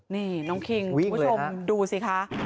นี่น้องคิงวิ่งเลยค่ะดูสิค่ะ